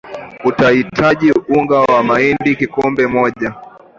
utahitaji Unga wa mahindi kikombe moja